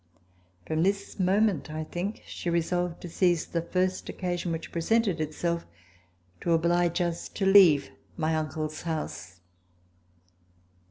From this moment I think she resolved to seize the first occasion which presented itself to oblige us to leave my uncle's house.